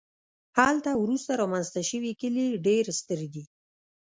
هلته وروسته رامنځته شوي کلي ډېر ستر دي